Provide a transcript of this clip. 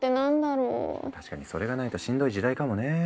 確かにそれがないとしんどい時代かもね。